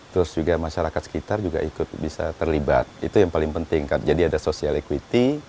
terus juga masyarakat sekitar juga ikut bisa terlibat itu yang paling penting kan jadi ada social equity